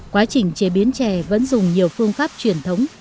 quá trình chế biến chè vẫn dùng nhiều phương pháp truyền thống